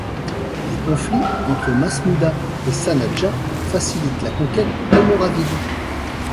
Les conflits entre Masmouda et Sanhadja facilitent la conquête almoravide.